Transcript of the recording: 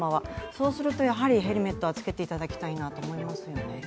そうするとやはりヘルメットはつけていただきたいなと思いますよね。